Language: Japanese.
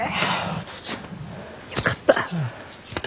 お父ちゃん。よかった！